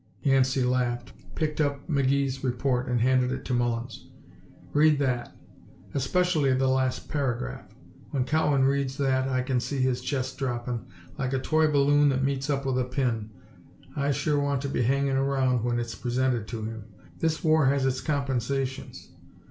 Yancey laughed, picked up McGee's report and handed it to Mullins. "Read that especially the last paragraph. When Cowan reads that I can see his chest droppin' like a toy balloon that meets up with a pin. I sure want to be hangin' around when it is presented to him. This war has its compensations.